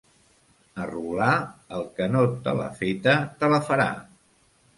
A Roglà, el que no te l'ha feta te la farà.